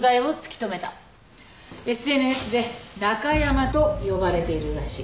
ＳＮＳでナカヤマと呼ばれているらしい。